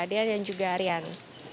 dia dan juga aryan